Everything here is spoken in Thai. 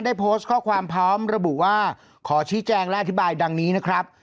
ได้โพสต์ข้อความพร้อมระบุว่าขอชี้แจงและอธิบายดังนี้นะครับ